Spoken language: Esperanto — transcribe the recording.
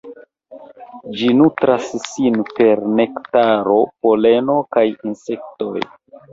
Ĝi nutras sin per nektaro, poleno kaj insektoj.